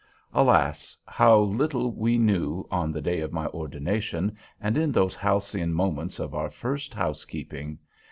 Alas! how little we knew on the day of my ordination, and in those halcyon moments of our first housekeeping!